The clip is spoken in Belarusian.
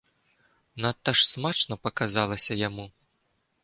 Надта ж смачна паказалася яму.